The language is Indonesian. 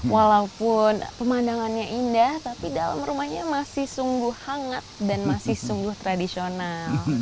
walaupun pemandangannya indah tapi dalam rumahnya masih sungguh hangat dan masih sungguh tradisional